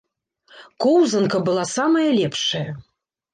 Коўзанка была самая лепшая.